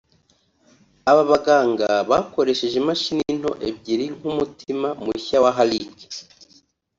Aba baganga bakoresheje imashini nto ebyiri nk’umutima mushya wa Halik